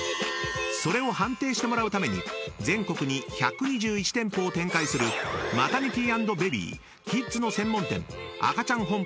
［それを判定してもらうために全国に１２１店舗を展開するマタニティ＆ベビーキッズの専門店］